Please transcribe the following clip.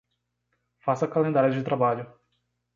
Faça calendários de trabalho.